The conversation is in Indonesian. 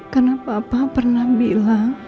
karena papa pernah bilang